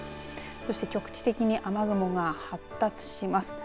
そして局地的に雨雲が発達します。